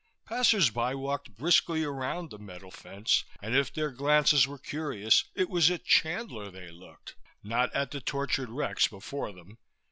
Passersby walked briskly around the metal fence, and if their glances were curious it was at Chandler they looked, not at the tortured wrecks before them.